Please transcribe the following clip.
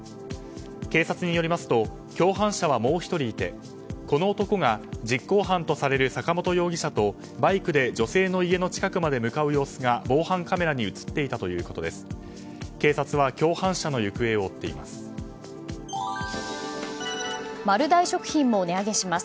警察によりますと共犯者はもう１人いてこの男が実行犯とされる坂本容疑者とバイクで女性の家の近くまで向かう様子が防犯カメラに映っていたということです。